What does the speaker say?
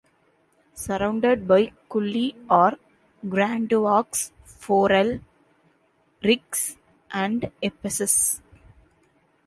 Surrounded by Cully are Grandvaux, Forel, Riex and Epesses.